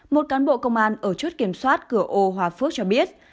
một cán bộ công an ở chốt kiểm soát cửa ô hòa phước cho biết